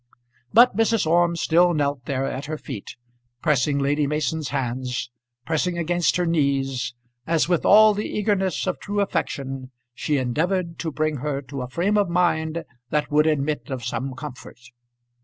But Mrs. Orme still knelt there at her feet, pressing Lady Mason's hands, pressing against her knees, as with all the eagerness of true affection she endeavoured to bring her to a frame of mind that would admit of some comfort.